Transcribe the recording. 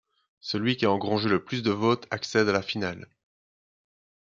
Celui qui a engrangé le plus de votes accède à la finale.